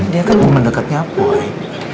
dia kan temen dekatnya boy